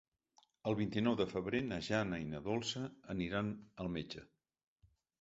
El vint-i-nou de febrer na Jana i na Dolça aniran al metge.